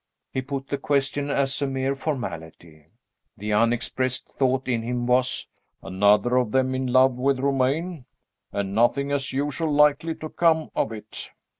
He put the question as a mere formality. The unexpressed thought in him was, "Another of them in love with Romayne! and nothing, as usual, likely to come of it."